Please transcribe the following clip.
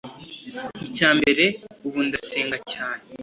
“Icya mbere ubu ndasenga cyane